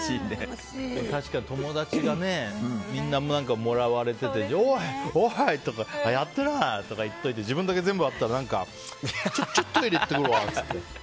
確かに友達がみんなもらわれてて、おい！とかやったな！とか言ってて自分だけ全部あったらちょっとトイレ行ってくるわって言って。